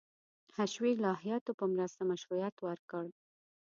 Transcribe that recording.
حشوي الهیاتو په مرسته مشروعیت ورکړ.